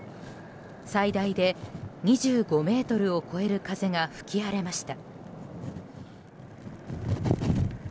最大で２５メートルを超える風が吹き荒れました。